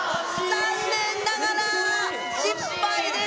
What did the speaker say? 残念ながら失敗です。